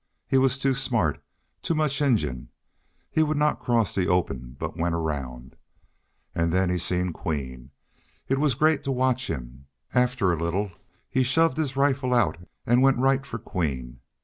He was too smart. Too much Injun! He would not cross the open, but went around. An' then he seen Queen. It was great to watch him. After a little he shoved his rifle out an' went right fer Queen.